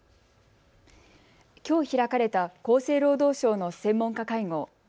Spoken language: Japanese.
きょう開かれた厚生労働省の専門家会合。